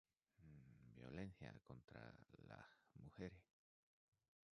violencia contra las mujeres